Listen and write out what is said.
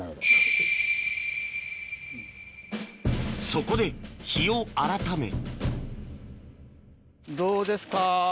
そこで日を改めどうですか？